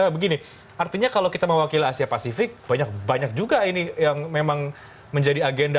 begini artinya kalau kita mewakili asia pasifik banyak banyak juga ini yang memang menjadi agenda